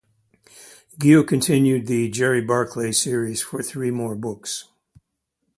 Guieu continued the "Jerry Barclay" series for three more books.